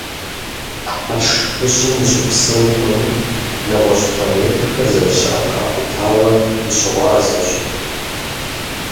Хьэрш жыжьэм ущыпсэу хъуну, нэгъуэщӀ планетэхэр зэрыщыӀэр къахутауэ дыщыгъуазэщ.